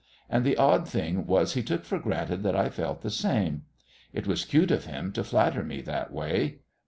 And the odd thing was he took for granted that I felt the same. It was cute of him to flatter me that way.